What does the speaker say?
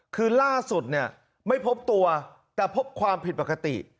คือล่าสุดเนี่ยไม่พบตัวแต่พบความผิดปกติ